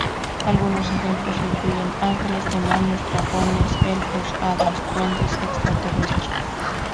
Algunos ejemplos incluyen: ángeles, demonios, dragones, elfos, hadas, duendes, extraterrestres.